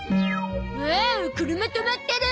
あ車止まってる。